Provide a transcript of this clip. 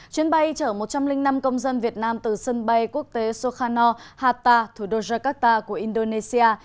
chuyến bay chở một trăm linh năm công dân việt nam từ sân bay quốc tế sokhano hatta thủ đô jakarta của indonesia